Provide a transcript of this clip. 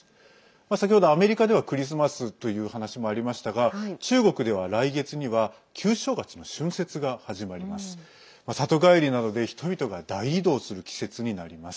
先ほど、アメリカではクリスマスという話もありましたが中国では、来月には旧正月の春節が始まります。